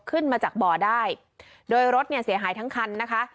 ขึ้นมาจากบ่อได้โดยรถเนี่ยเสียหายทั้งคันนะคะ